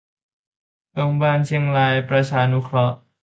โรงพยาบาลเชียงรายประชานุเคราะห์